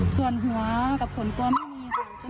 ส่วนหัวกับส่วนตัวไม่มี